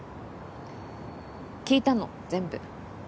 聞いたの全部。